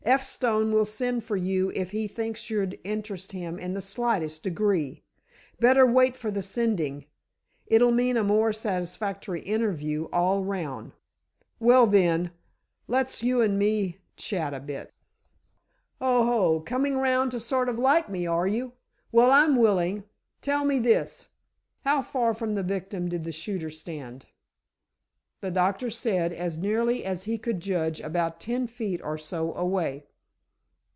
"F. Stone will send for you if he thinks you'll interest him in the slightest degree. Better wait for the sending—it'll mean a more satisfactory interview all round." "Well, then, let's you and me chat a bit." "Oho, coming round to sort of like me, are you? Well, I'm willing. Tell me this: how far from the victim did the shooter stand?" "The doctor said, as nearly as he could judge, about ten feet or so away."